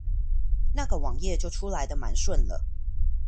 那個網頁就出來的蠻順了